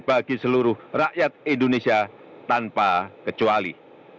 bagi seluruh rakyat indonesia tanpa kecuali